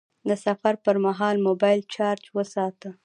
د سفر پر مهال موبایل چارج وساته..